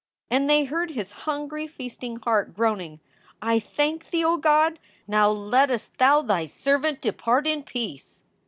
And they heard his hungry, feasting heart groaning : "I thank Thee, O God! Now lettest Thou Thy servant depart in peace."